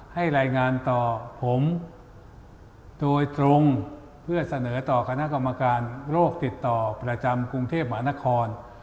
ให้รายงานต่อผมโดยตรงเพื่อเสนอต่อคณะกรรมการโรคติดต่อประจำกรุงเทพหมานคร